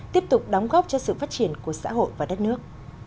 tiếp tục đóng góp cho sự phát triển của xã hội và đất nước